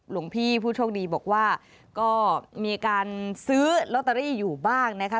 หลวงพี่ผู้โชคดีบอกว่าก็มีการซื้อลอตเตอรี่อยู่บ้างนะคะ